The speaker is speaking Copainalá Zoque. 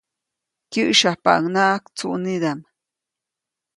Kyäsyapaʼuŋnaʼak tsuʼnidaʼm.